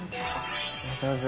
上手！